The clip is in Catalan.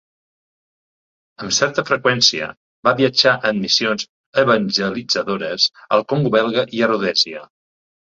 Amb certa freqüència va viatjar en missions evangelitzadores al Congo Belga i a Rhodèsia.